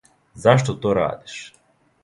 Зашто то радиш?